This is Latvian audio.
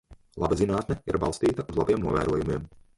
Laba zinātne ir balstīta uz labiem novērojumiem.